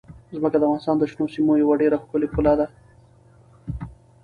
ځمکه د افغانستان د شنو سیمو یوه ډېره ښکلې ښکلا ده.